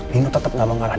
nino tetep ngamuk ngamuk